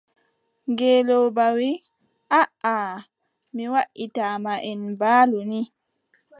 Ngeelooba wii: aaʼa mi waʼitaa ma, en mbaalu ni.